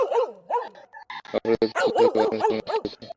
অপরাধের গুরুত্ব বিচার করে বাথরুমে থাকার মেয়াদ ঠিক হত।